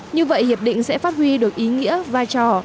như vậy hiệp định sẽ phát huy được ý nghĩa vai trò